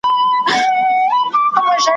د دوی مخ ته د ملګري کښېناستل وه ,